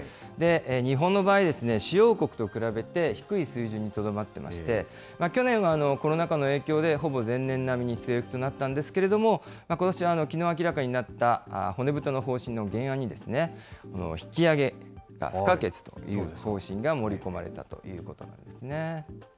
日本の場合、主要国と比べて低い水準にとどまっていまして、去年はコロナ禍の影響で、ほぼ前年並みに据え置きとなったんですけれども、ことしはきのう明らかになった、骨太の方針の原案に、引き上げが不可欠という方針が盛り込まれたということなんですね。